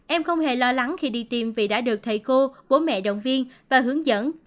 em không hề lo lắng khi đi tìm vì đã được thầy cô bố mẹ động viên và hướng dẫn